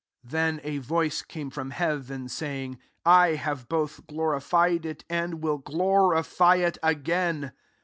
28 Then a voice came from heaven, saying, « 1 have both glorified it, and willglorify it again."